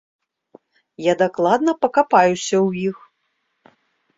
Я дакладна пакапаюся ў іх.